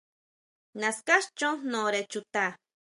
Naská chon jnore chuta.